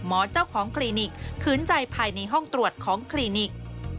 เจ้าของคลินิกขืนใจภายในห้องตรวจของคลินิก